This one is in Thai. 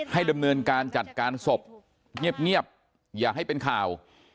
ดำเนินการจัดการศพเงียบอย่าให้เป็นข่าว